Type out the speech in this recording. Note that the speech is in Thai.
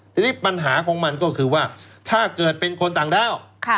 ทีนี้ปัญหาของมันก็คือว่าถ้าเกิดเป็นคนต่างด้าว